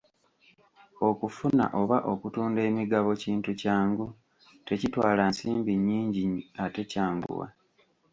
Okufuna oba okutunda emigabo kintu kyangu, tekitwala nsimbi nnyingi ate kyanguwa.